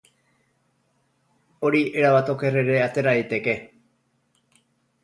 Hori erabat oker ere atera daiteke...